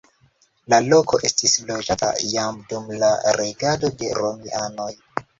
La loko estis loĝata jam dum la regado de romianoj.